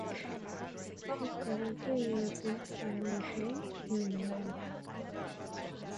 He currently lives in Sunningdale, England.